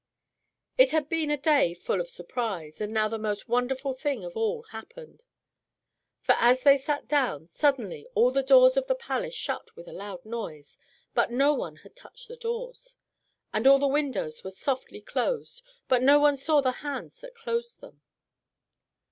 It had been a day full of surprise, but now the most wonderful thing of all happened. For as they sat down, suddenly all the doors of the palace shut with a loud noise, but no one had touched the doors. And all the windows were softly closed, but no one saw the hands that closed them.